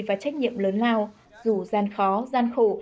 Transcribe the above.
và trách nhiệm lớn lao dù gian khó gian khổ